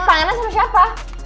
eh pangeran sama siapa